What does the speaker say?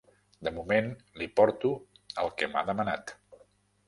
De moment li porto el que m'ha demanat.